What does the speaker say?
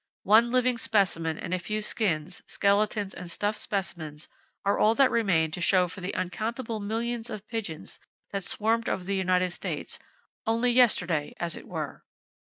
One living specimen and a few skins, skeletons and stuffed specimens are all that remain to show for the uncountable millions of pigeons that swarmed over the United States, only yesterday as it were!